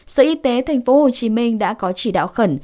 sở y tế tp hcm đã có chỉ đạo khẩn